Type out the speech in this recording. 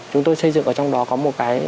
chúng tôi xây dựng ở trong đó có một cái